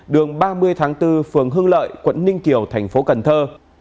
đường ba mươi tháng bốn phường hưng lợi quận ninh kiều thành phố cần thơ